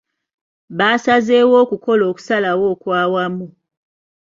Baasazeewo okukola okusalawo okw'awamu.